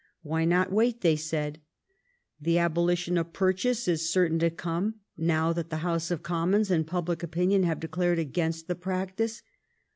"Why not wait?" they said. ''The abo lition of purchase is certain to come now that the House of Commons and public opinion have declared against the practice.